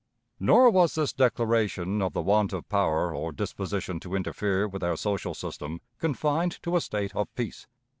Nor was this declaration of the want of power or disposition to interfere with our social system confined to a state of peace.